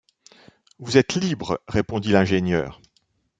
Vous êtes libre, répondit l’ingénieur